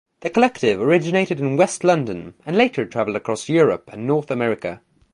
The collective originated in west London and later travelled across Europe and North America.